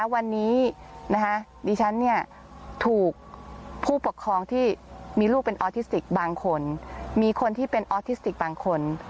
วันนี้ดิฉันถูกผู้ปกครองที่มีลูกเป็นออทิสติกบางคนมีคนที่เป็นออทิสติกบางคน